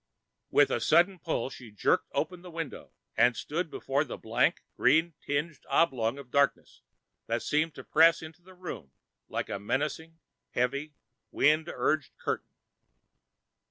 With a sudden pull, she jerked open the window and stood before the blank green tinged oblong of darkness that seemed to press into the room like a menacing, heavy, wind urged curtain.